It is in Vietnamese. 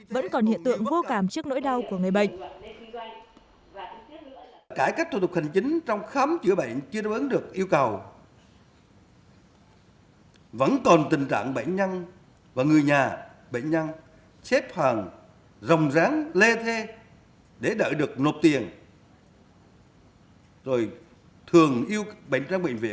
vẫn còn hiện tượng vô cảm trước nỗi đau của người bệnh